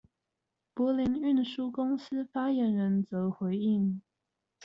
柏林運輸公司發言人則回應：